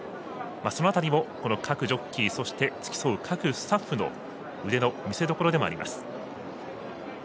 その辺りも、各ジョッキーそして、付き添う、各スタッフの腕の見せどころでもあります。